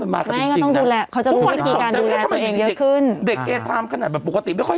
หลอกขึ้นเยอะเลย